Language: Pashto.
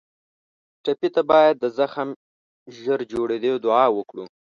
ټپي ته باید د زخم ژر جوړېدو دعا وکړو.